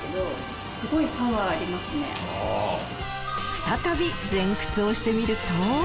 再び前屈をしてみると。